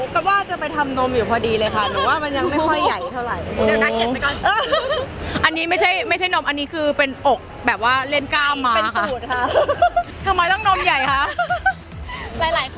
ของแทบเหมือนกันนะคะจากอเมริกา